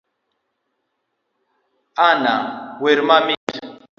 Anna wer mamit.